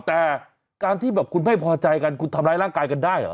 แต่การที่แบบคุณไม่พอใจกันคุณทำร้ายร่างกายกันได้เหรอ